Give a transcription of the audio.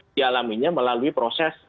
dialaminya melalui proses